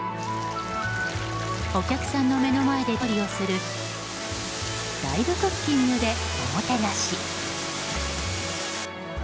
お客さんの目の前で調理をするライブクッキングでおもてなし。